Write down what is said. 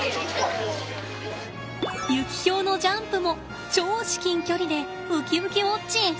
ユキヒョウのジャンプも超至近距離でうきうきウォッチン。